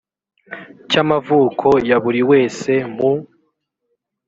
cy amavuko ya buri wese mu